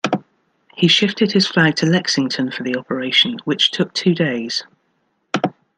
He shifted his flag to "Lexington" for the operation, which took two days.